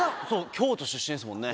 京都出身ですもんね。